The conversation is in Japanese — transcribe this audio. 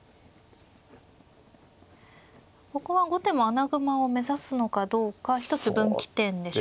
ここは後手も穴熊を目指すのかどうか一つ分岐点でしょうか。